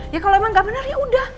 ya kalau emang nggak benar ya udah